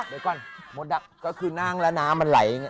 โดยก้อนมดดำก็คือนั่งแล้วน้ำมันไหลไง